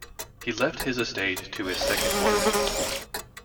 He left his estate to his second wife.